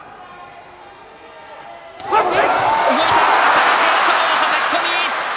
貴景勝のはたき込み。